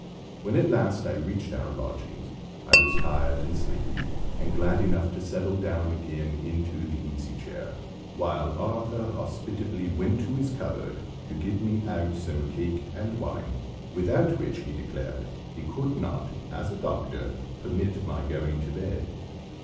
When at last I reached our lodgings I was tired and sleepy, and glad enough to settle down again into the easy chair, while Arthur hospitably went to his cupboard, to get me out some cake and wine, without which, he declared, he could not, as a doctor, permit my going to bed.